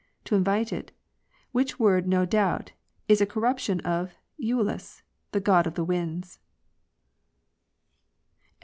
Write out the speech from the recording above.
to invite it, which word, no doubt, is a corruption of Aolus, the god of the winds" (Dr R.